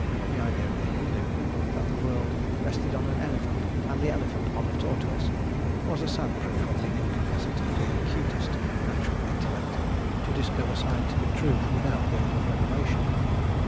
The idea of the Hindoo, that the world rested on an elephant and the elephant on a tortoise, was a sad proof of the incapacity of the acutest natural intellect to discover scientific truth without the aid of revelation.